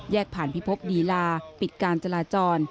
แยกผ่านพิพพธิดีลาปิดการจราจร